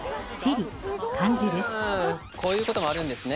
こういう事もあるんですね。